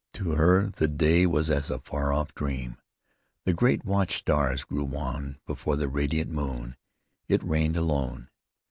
To her the day was as a far off dream. The great watch stars grew wan before the radiant moon; it reigned alone.